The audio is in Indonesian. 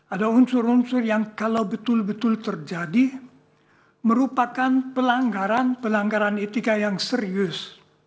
ada unsur unsur yang kalau betul betul terjadi merupakan pelanggaran pelanggaran etika yang serius